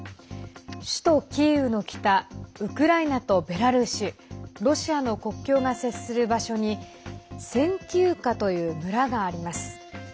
首都キーウの北、ウクライナとベラルーシロシアの国境が接する場所にセンキウカという村があります。